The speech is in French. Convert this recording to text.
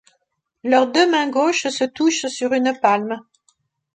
Leurs deux mains gauches se touchent sur une palme.